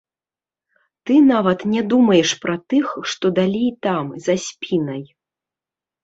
Ты нават не думаеш пра тых, што далей там, за спінай.